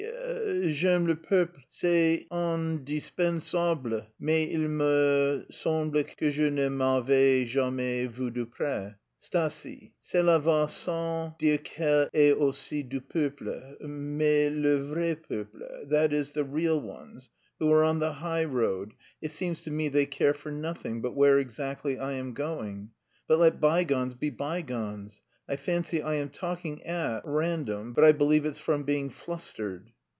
_J'aime le peuple, c'est indispensable, mais il me semble que je ne m'avais jamais vu de près. Stasie... cela va sans dire qu'elle est aussi du peuple, mais le vrai peuple,_ that is, the real ones, who are on the high road, it seems to me they care for nothing, but where exactly I am going... But let bygones be bygones. I fancy I am talking at random, but I believe it's from being flustered."